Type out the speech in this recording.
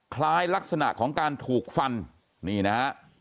คล้ายลักษณะของการถูกฟันนี่นะฮะ